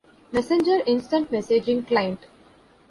Messenger instant messaging client.